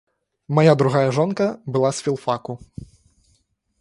Мая другая жонка была з філфаку.